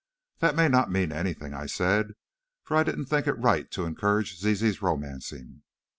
"That may not mean anything," I said, for I didn't think it right to encourage Zizi's romancing.